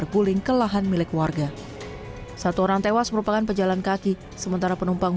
terguling ke lahan milik warga satu orang tewas merupakan pejalan kaki sementara penumpang